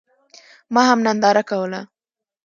ما هم ننداره کوله.